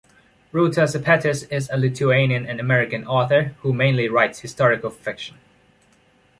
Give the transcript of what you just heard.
Ruta Sepetys is a Lithuanian and American author who mainly writes historical fiction.